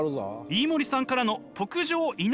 飯森さんからの特上稲荷寿司！